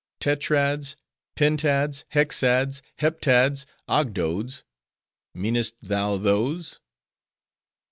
"Tetrads; Pentads; Hexads; Heptads; Ogdoads:—meanest thou those?"